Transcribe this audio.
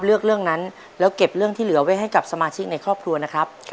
เรื่องนั้นแล้วเก็บเรื่องที่เหลือไว้ให้กับสมาชิกในครอบครัวนะครับ